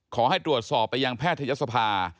ขอให้ตรวจสอบไปยังแพทยศภา